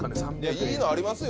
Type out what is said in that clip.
いいのありますよ？